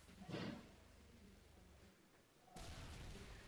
Základní organizační složkou je církevní sbor.